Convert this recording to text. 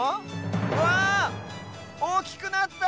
わっおおきくなった！